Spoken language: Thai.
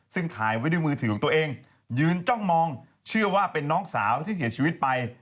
ซึ่งถ่ายไว้ด้วยมือถือของตัวเองยืนจ้องมองเชื่อว่าเป็นน้องสาวที่เสียชีวิตไป